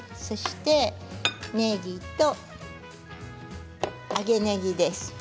そしてねぎと揚げねぎです。